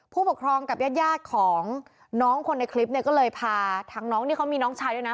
ผู้ปกครองกับญาติยาดของน้องคนในคลิปเนี่ยก็เลยพาทางน้องนี่เขามีน้องชายด้วยนะ